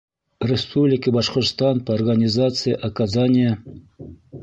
Республики Башкортостан по организации оказания